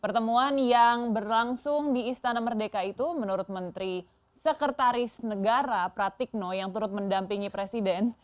pertemuan yang berlangsung di istana merdeka itu menurut menteri sekretaris negara pratikno yang turut mendampingi presiden